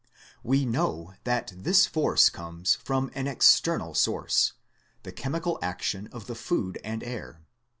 We know that this force conies from an external source, ihe chemical action of the food and air.